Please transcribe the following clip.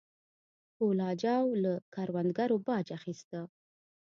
کهول اجاو له کروندګرو باج اخیسته.